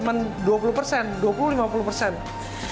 kena didalamnya karena makanya biasa jadi akhirnya udara grap ininya lebih tinggi